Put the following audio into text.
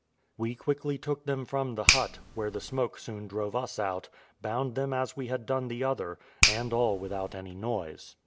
We quickly took them from the hut, where the smoke soon drove us out, bound them as we had done the other, and all without any noise.